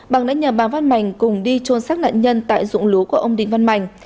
bằng nãy nhờ bàn văn mạnh cùng đi trôn sát nạn nhân tại dụng lúa của ông đình văn mạnh